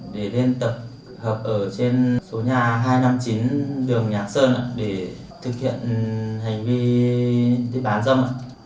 để lên tập hợp ở trên số nhà hai trăm năm mươi chín đường nhạc sơn để thực hiện hành vi đi bán dâm